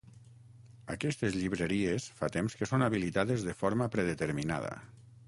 Aquestes llibreries fa temps que són habilitades de forma predeterminada.